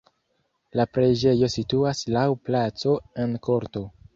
La preĝejo situas laŭ placo en korto.